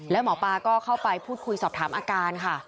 แล้วหมอปลาก็เข้าไปพูดคุยสอบถามอาการค่ะ